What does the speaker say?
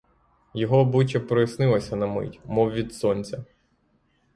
Його обличчя прояснилося на мить, мов від сонця.